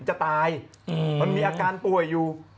จะตายมันมีอาการป่วยอยู่